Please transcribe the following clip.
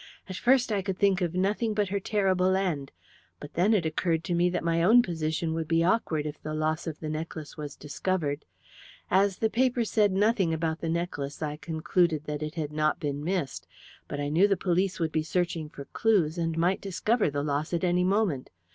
At first I could think of nothing but her terrible end, but then it occurred to me that my own position would be awkward if the loss of the necklace was discovered. As the papers said nothing about the necklace I concluded that it had not been missed. But I knew the police would be searching for clues, and might discover the loss at any moment.